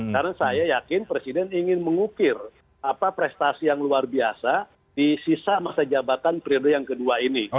karena saya yakin presiden ingin mengukir apa prestasi yang luar biasa di sisa masa jabatan periode yang kedua ini